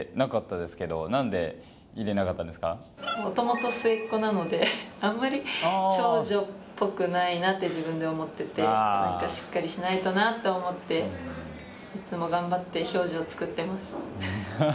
もともと末っ子なので、あまり長女っぽくないなと自分で思ってて、しっかりしないとなと思って、いつも頑張って表情つくってます。